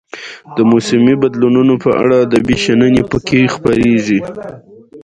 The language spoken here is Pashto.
د موسمي بدلونونو په اړه ادبي شننې پکې خپریږي.